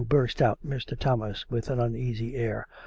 " burst out Mr. Thomas, with an uneasy air.